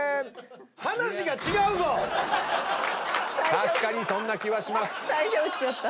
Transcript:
確かにそんな気はします。